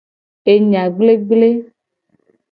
Enya gblegble.